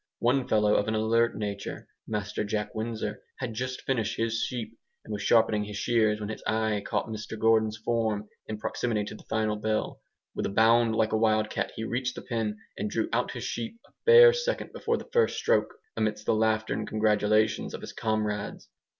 One fellow of an alert nature (Master Jack Windsor) had just finished his sheep and was sharpening his shears, when his eye caught Mr Gordon's form in proximity to the final bell. With a bound like a wild cat, he reached the pen and drew out his sheep a bare second before the first stroke, amidst the laughter and congratulations of his comrades.